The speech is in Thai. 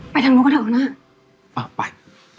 ไปทางนู้นก็ได้ครับครับหน้าอ่ะไป